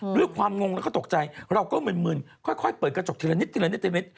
ด้วยความงงแล้วก็ตกใจเราก็เหมือนค่อยเปิดกระจกทีละนิด